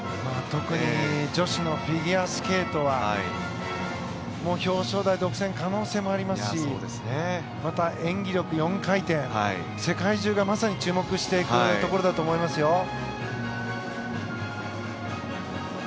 特に女子のフィギュアスケートは表彰台独占の可能性もありますしまた、演技力、４回転世界中がまさに注目していくところだと思いますよ。